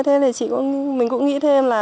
thế thì mình cũng nghĩ thêm là